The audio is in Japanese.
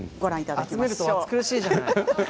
集めると暑苦しいじゃない。